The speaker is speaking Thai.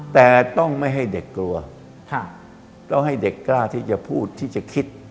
แต่ต้องไม่ให้เด็กกลัวต้องให้เด็กกล้าที่จะพูดที่จะคิด